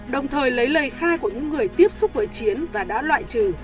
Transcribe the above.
đồng thời lấy lời khai của những người tiếp xúc với chiến và đã loại trừ